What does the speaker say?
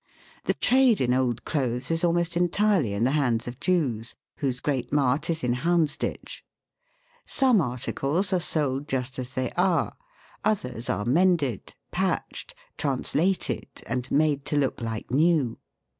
The trade in old clothes is almost entirely in the hands of Jews, whose great mart is in Houndsditch (Fig. 55). Some articles are sold just as they are, others are mended, patched, " translated," and made to look like new.